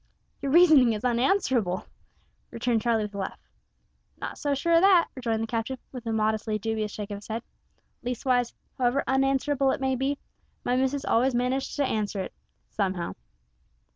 '" "Your reasoning is unanswerable," returned Charlie, with a laugh. "Not so sure o' that," rejoined the captain, with a modestly dubious shake of his head; "leastwise, however unanswerable it may be, my missus always manages to answer it somehow."